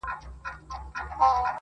هر څوک وايي، چي زما د غړکي خوند ښه دئ.